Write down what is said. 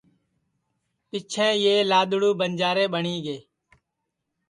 پیچھیں یہ لادڑوُ بنجارے ٻٹؔی گے